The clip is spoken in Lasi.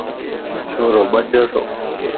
ڇورو ٻڃتو